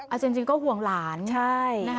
คุณผู้สายรุ่งมโสผีอายุ๔๒ปี